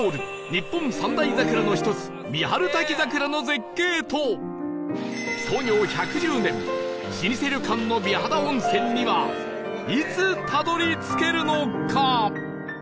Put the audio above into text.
日本三大桜の一つ三春滝桜の絶景と創業１１０年老舗旅館の美肌温泉にはいつたどり着けるのか？